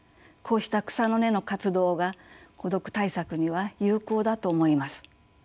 こうした草の根の活動が孤独対策には有効だと思います。